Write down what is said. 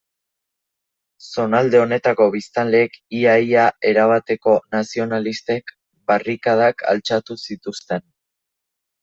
Zonalde honetako biztanleek, ia-ia erabateko nazionalistek, barrikadak altxatu zituzten.